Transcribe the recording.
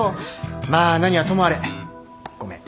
まあ何はともあれごめん。